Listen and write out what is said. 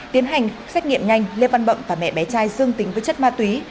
tiến hành xét nghiệm nhanh lê văn bậm và mẹ bé trai dương tính với chất ma túy